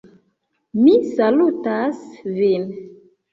Mi salutas vin.